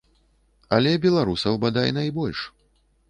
Але беларусаў, бадай, найбольш.